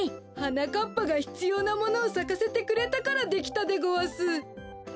はなかっぱがひつようなものをさかせてくれたからできたでごわす。